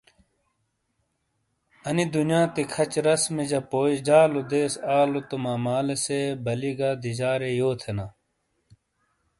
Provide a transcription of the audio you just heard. ا نی دُناتیٔی کھچے رَسمی جا پوئی جالو دیس آلو تو ما مالیسے بالی گہ دیجارے یو تھینا ۔